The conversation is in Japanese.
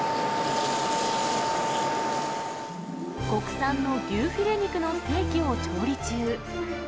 国産の牛フィレ肉のステーキを調理中。